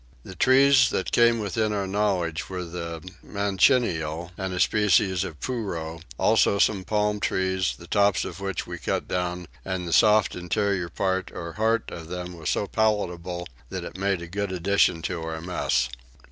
The trees that came within our knowledge were the manchineal and a species of purow; also some palm trees, the tops of which we cut down, and the soft interior part or heart of them was so palatable that it made a good addition to our mess.